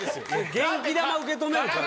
元気玉受け止める感じ。